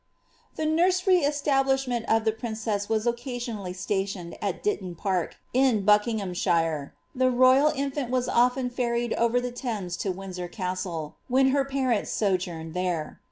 The nurser}' establishment of the princess was occasionally stationed at Ditton Park, in Buckinghamshire. The royal infant was oVten ferried over the Thames to Windsor Castle, when her parents sojourned there.